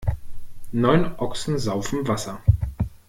Neun Ochsen saufen Wasser.